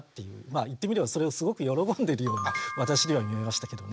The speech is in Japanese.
言ってみればそれをすごく喜んでいるように私には見えましたけどね。